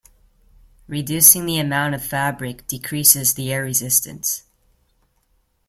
Reducing the amount of fabric decreases the air resistance.